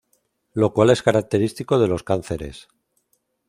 Lo cual es característico de los cánceres.